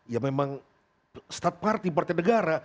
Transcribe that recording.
ya memang start party partai negara